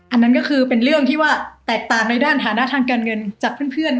อันนั้นก็คือเป็นเรื่องที่ว่าแตกต่างในด้านฐานะทางการเงินจากเพื่อน